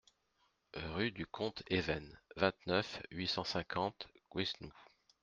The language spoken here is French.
Rue du Comte Even, vingt-neuf, huit cent cinquante Gouesnou